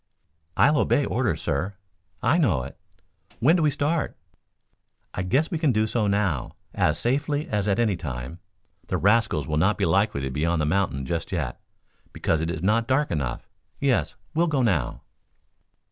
"I'll obey orders, sir." "I know it." "When do we start?" "I guess we can do so now, as safely as at any time. The rascals will not be likely to be on the mountain just yet, because it is not dark enough. Yes; we'll go now."